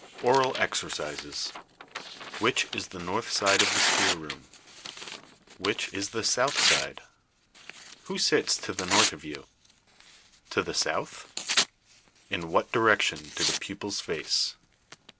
ORAL EXERCISES. Which is the north side of the schoolroom? Which is the south side? Who sits to the north of you? To the south? In what direction do the pupils face?